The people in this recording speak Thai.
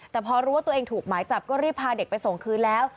แต่พอรู้ว่าตัวเองถูกหมายจับก็รีบพาเด็กไปส่งคืนแล้ว